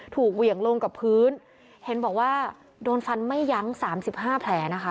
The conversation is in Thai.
เหวี่ยงลงกับพื้นเห็นบอกว่าโดนฟันไม่ยั้งสามสิบห้าแผลนะคะ